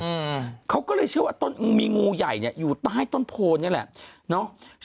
อืมเขาก็เลยเชื่อว่าต้นมีงูใหญ่เนี้ยอยู่ใต้ต้นโพนนี่แหละเนอะ